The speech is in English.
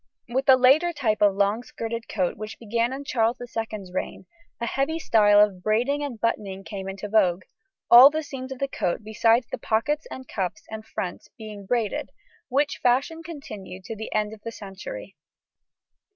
With the later type of long skirted coat which began in Charles II's reign, a heavy style of braiding and buttoning came into vogue, all the seams of the coat besides the pockets and cuffs and fronts being braided, which fashion continued to the end of the century.